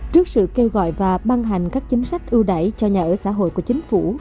trước sự kêu gọi và ban hành các chính sách ưu đại cho nhà ở xã hội của chính phủ